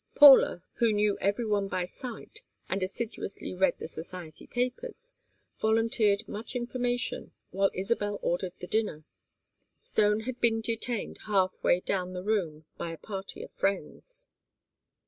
Paula, who knew every one by sight and assiduously read the society papers, volunteered much information while Isabel ordered the dinner; Stone had been detained half way down the room by a party of friends.